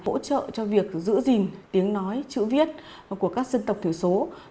hỗ trợ cho việc giữ gìn tiếng nói chữ viết của các dân tộc thiểu số